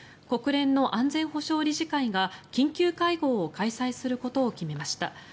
国連の安全保障理事会が緊急会合を開催することを決めました。